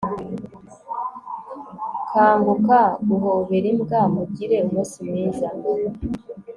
kanguka guhobera imbwa mugire umunsi mwiza